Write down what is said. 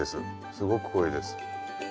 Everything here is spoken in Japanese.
すごく濃いです。